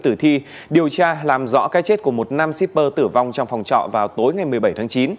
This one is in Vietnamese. tử thi điều tra làm rõ cái chết của một nam shipper tử vong trong phòng trọ vào tối ngày một mươi bảy tháng chín